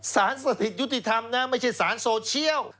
สารสถิตยุติธรรมนะไม่ใช่สารโซเชียล